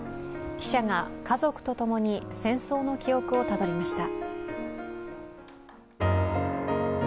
記者が家族とともに戦争の記憶をたどりました。